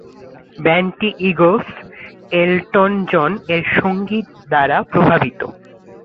ব্যান্ডটি Eagles, Elton জন-এর সংগীত দ্বারা প্রভাবিত।